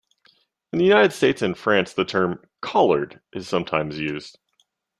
In the United States and France the term "collared" is sometimes used.